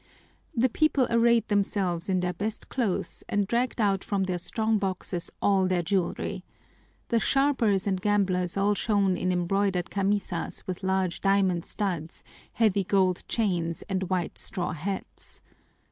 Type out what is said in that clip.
The people arrayed themselves in their best clothes and dragged out from their strong boxes all their jewelry. The sharpers and gamblers all shone in embroidered camisas with large diamond studs, heavy gold chains, and white straw hats.